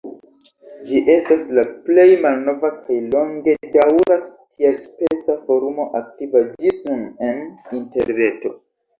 Ĝi estas la plej malnova kaj longedaŭra tiaspeca forumo aktiva ĝis nun en Interreto.